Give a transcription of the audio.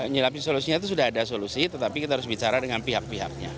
nyelapin solusinya itu sudah ada solusi tetapi kita harus bicara dengan pihak pihaknya